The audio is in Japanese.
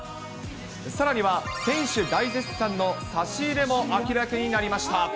さらには、選手大絶賛の差し入れも明らかになりました。